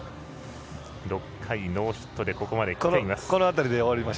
６回ノーヒットでここまできています。